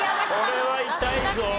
これは痛いぞ！